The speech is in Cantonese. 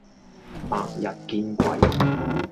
白日見鬼